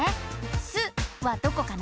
「す」はどこかな？